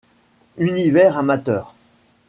Univers Amateur.